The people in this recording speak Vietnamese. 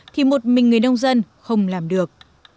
thì một mình người nông dân không làm được